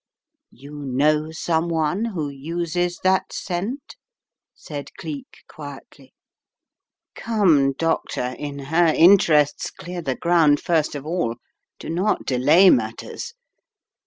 "You know some one who uses that scent?" said Cleek quietly. "Come, Doctor, in her interests, clear the ground first of all; do not delay matters.